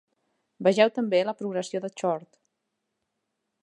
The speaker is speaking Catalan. Vegeu també la progressió de Chord.